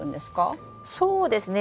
そうですね。